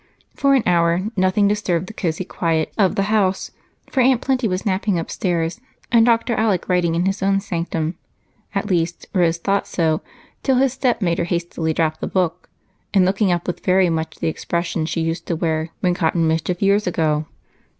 For an hour nothing disturbed the cozy quiet of the house for Aunt Plenty was napping upstairs and Dr. Alec writing in his own sanctum; at least Rose thought so, till his step made her hastily drop the book and look up with very much the expression she used to wear when caught in mischief years ago.